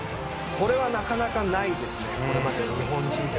これはなかなかないですね。